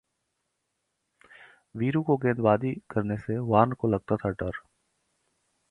वीरू को गेंदबाजी करने से वार्न को लगता था डर